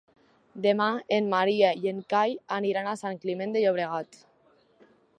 Demà en Maria i en Cai aniran a Sant Climent de Llobregat.